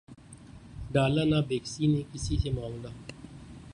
ڈالا نہ بیکسی نے کسی سے معاملہ